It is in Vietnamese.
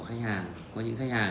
ghi nhận của nhóm phóng viên